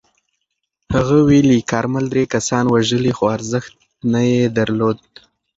هغه ویلي، کارمل درې کسان وژلي خو ارزښت نه یې درلود.